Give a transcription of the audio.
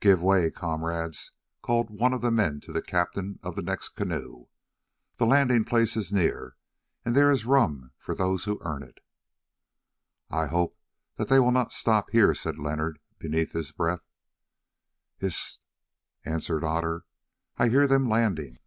"Give way, comrades," called one man to the captain of the next canoe; "the landing place is near, and there is rum for those who earn it." "I hope that they will not stop here," said Leonard beneath his breath. "Hist!" answered Otter, "I hear them landing."